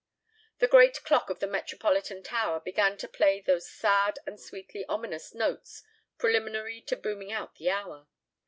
The great clock of the Metropolitan Tower began to play those sad and sweetly ominous notes preliminary to booming out the hour.